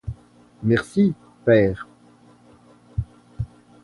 Merci, père!